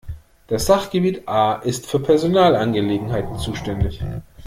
Das Sachgebiet A ist für Personalangelegenheiten zuständig.